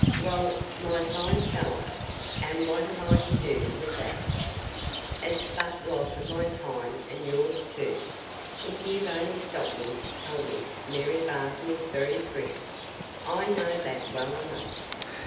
"Well, my fine fellow, and what have I to do with that? It's but loss of my time, and yours, too, if you've only stopped me to tell me Mary Barton is very pretty; I know that well enough."